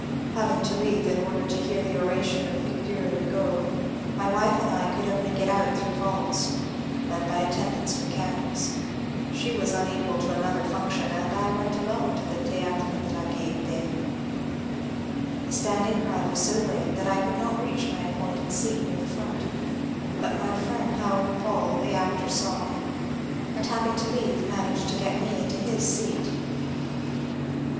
Having to leave in order to hear the oration of Victor Hugo, my wife and I could only get out through vaults, led by attendants with candles. She was unequ^ to another function and I went alone to the Theatre de la Gai^t^. The standing crowd was so great that I could not reach my ap pointed seat near the front, but my friend Howard Paul the actor saw me, and having to leave managed to get me into his seat.